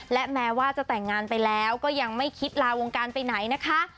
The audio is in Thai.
และแม้ว่าจะแต่งงานไปแล้วก็ยังไม่คิดลาวงการไปไหนนะคะ